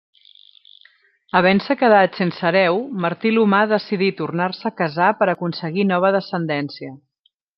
Havent-se quedat sense hereu, Martí l'Humà decidí tornar-se a casar per aconseguir nova descendència.